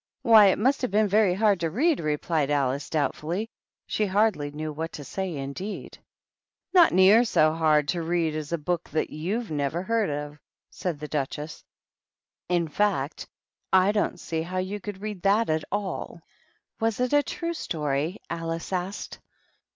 " Why, it must have been very hard to read," replied Alice, doubtfully. She hardly knew what to say, indeed. "Not near so hard to read as a book that you've never heard of," said the Duchess. "In fact, I don't see how you could read that at all." "Was it a true story?" Alice asked.